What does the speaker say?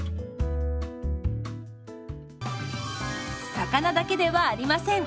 魚だけではありません。